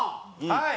はい！